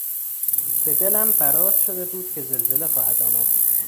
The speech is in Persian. به دلم برات شده بود که زلزله خواهد آمد.